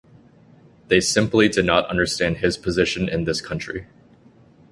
They simply did not understand his position in this country.